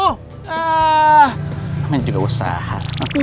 eh emang juga usaha